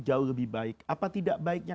jauh lebih baik apa tidak baiknya